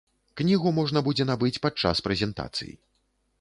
Кнігу можна будзе набыць падчас прэзентацый.